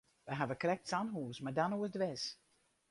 Wy hawwe krekt sa'n hús, mar dan oerdwers.